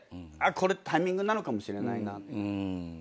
これタイミングなのかもしれないなって。